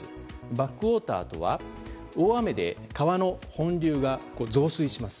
バックウォーターとは大雨で川の本流が増水します。